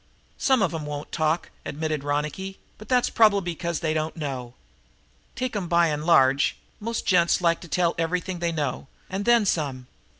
"Some of 'em won't talk," admitted Ronicky, "but that's probably because they don't know. Take 'em by and large, most gents like to tell everything they know, and then some!"